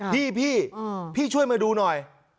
พี่พี่ช่วยมาดูหน่อย